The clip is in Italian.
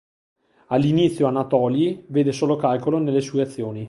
All'inizio Anatolij vede solo calcolo nelle sue azioni.